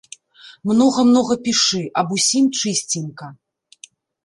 Многа-многа пішы, аб усім чысценька.